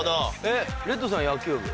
レッドさん野球部？